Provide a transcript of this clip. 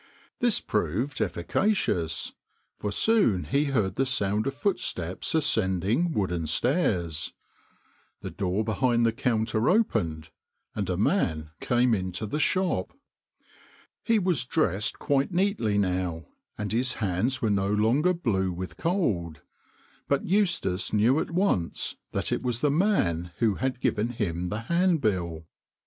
This proved efficacious, for soon he heard the sound of footsteps ascending wooden stairs, the door behind the counter opened and a man came into the shop. He was dressed quite neatly now, and his hands were no longer blue with cold, but Eustace knew at once that it was the man who had given him the handbill.